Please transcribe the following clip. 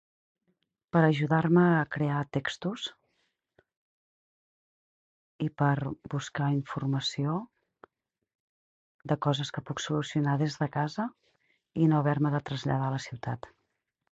Per ajudar-me a crear textos i per buscar informació de coses que puc solucionar des de casa i no haver-me de traslladar a la ciutat.